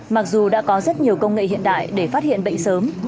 mặc dù đã có rất nhiều công nghệ hiện đại để phát hiện bệnh sớm